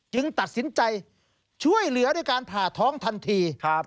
ตัดสินใจช่วยเหลือด้วยการผ่าท้องทันที